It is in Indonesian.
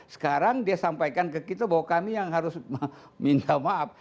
sekarang dia sampaikan ke kita bahwa kami yang harus minta maaf